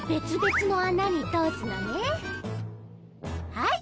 はい！